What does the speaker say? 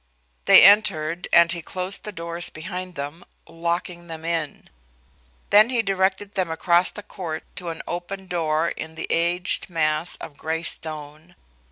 They entered and he closed the doors behind them, locking them in. Then he directed them across the court to an open door in the aged mass of gray stone.